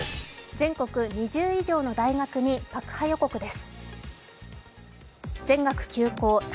全国２０以上の大学に爆破予告です。